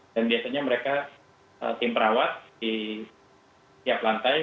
dan biasanya mereka tim perawat di tiap lantai